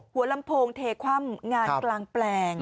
หัวลำโพงเทคว่ำงานกลางแปลง